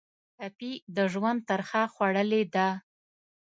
ټپي د ژوند ترخه خوړلې ده.